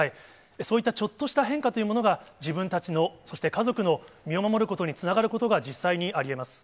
そういったちょっとした変化というものが、自分たちの、そして、家族の身を守ることにつながることが実際にありえます。